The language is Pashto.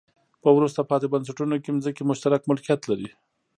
په وروسته پاتې بنسټونو کې ځمکې مشترک ملکیت لري.